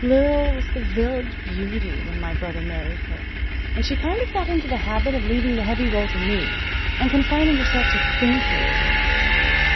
Lil was the village beauty when my brother married her, and she kind of got into the habit of leaving the heavy role to me, and confining herself to thinking parts.